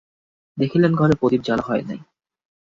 দেখিলেন ঘরে প্রদীপ জ্বালা হয় নাই।